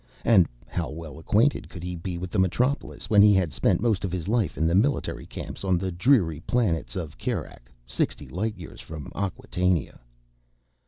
And how well acquainted could he be with the metropolis, when he had spent most of his life in the military camps on the dreary planets of Kerak, sixty light years from Acquatainia?